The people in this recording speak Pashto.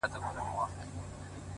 • چي غلیم یې هم د سر هم د ټبر وي ,